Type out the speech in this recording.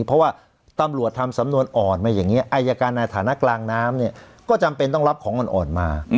เพราะว่าตำรวจทำสำนวนอ่อนมาอย่างนี้อายการในฐานะกลางน้ำเนี่ยก็จำเป็นต้องรับของอ่อนมา